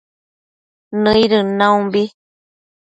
Nëdën caumbi